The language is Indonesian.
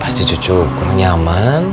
pasti cucu kurang nyaman